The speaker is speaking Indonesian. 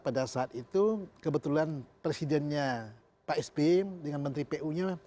pada saat itu kebetulan presidennya pak sby dengan menteri pu nya